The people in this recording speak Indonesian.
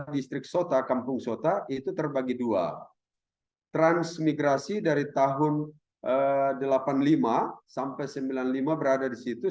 distrik sota kampung sota itu terbagi dua transmigrasi dari tahun delapan puluh lima sembilan puluh lima berada di situ